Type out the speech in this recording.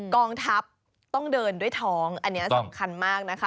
กองทัพต้องเดินด้วยท้องอันนี้สำคัญมากนะคะ